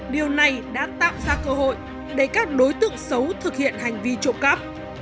điều này đã tạo ra cơ hội để các đối tượng xấu thực hiện hành vi trộm cắp